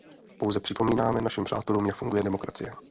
Pouze připomínáme našim přátelům, jak funguje demokracie.